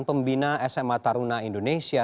pembina sma taruna indonesia